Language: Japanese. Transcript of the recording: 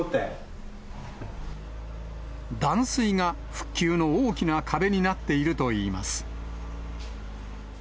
断水が復旧の大きな壁になっているといいます。